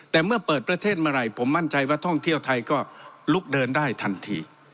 แต่เมื่อเปิดประเทศเมื่อไหร่ผมมั่นใจว่าท่องเที่ยวไทยก็ลุกเดินได้ทันที